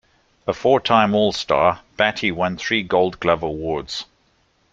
A four-time All-Star, Battey won three Gold Glove Awards.